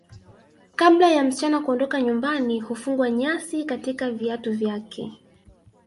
Kabla ya msichana kuondoka nyumbani hufungwa nyasi katika viatu vyake